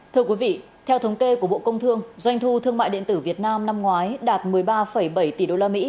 thưa quý vị theo thống kê của bộ công thương doanh thu thương mại điện tử việt nam năm ngoái đạt một mươi ba bảy tỷ usd